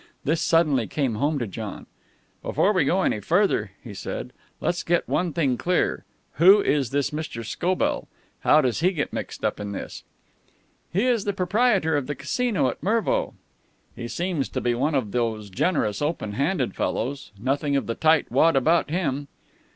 This suddenly came home to John. "Before we go any further," he said, "let's get one thing clear. Who is this Mr. Scobell? How does he get mixed up in this?" "He is the proprietor of the Casino at Mervo." "He seems to be one of those generous, open handed fellows. Nothing of the tight wad about him."